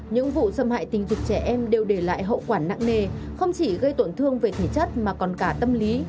những vụ xâm hại tình dục trẻ em đều để lại hậu quả nặng nề không chỉ gây tổn thương về thể chất mà còn cả tâm lý